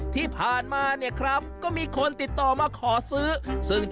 ที่ผ่านมาเนี่ยครับก็มีคนติดต่อมาขอซื้อซึ่ง